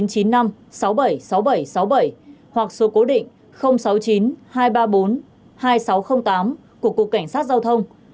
hoặc số cố định sáu mươi chín hai trăm ba mươi bốn hai nghìn sáu trăm linh tám của cục cảnh sát giao thông